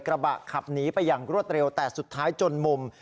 กระบะขับหนีไปอย่างรวดเร็วแต่สุดท้ายจนมุม